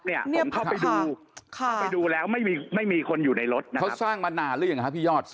พี่ยอทเข้าไปดูแล้วไม่มีใครอยู่ในรถ